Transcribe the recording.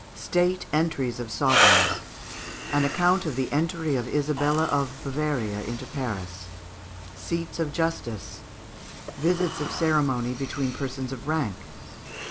State Entries of Sovereigns. An Account of the Entry of Isabel of Bavaria into Paris. Seats of Justice. Visits of Ceremony between Persons of rank.